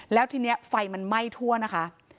แล้วทีนี้ไฟมันไหม้ทั่วนะคะ